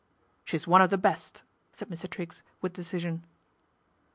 " She's one of the oest," said Mr. Triggc, with decision.